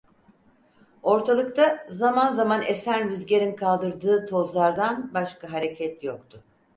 Ortalıkta, zaman zaman esen rüzgarın kaldırdığı tozlardan başka hareket yoktu.